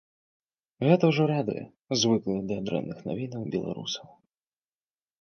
Гэта ўжо радуе звыклых да дрэнных навінаў беларусаў.